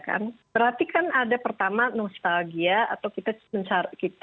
ya kan berarti kan ada pertama nostalgia atau kita cari